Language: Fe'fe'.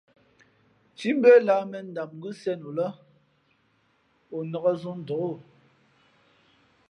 Ntímbʉ́ά lah mēn ndam ngʉ́ sēn o lά, o nāk zǒ ndôk o.